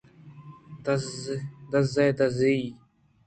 دزّ ءِ دزّی ءَ